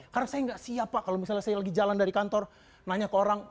karena saya nggak siap pak kalau misalnya saya lagi jalan dari kantor nanya ke orang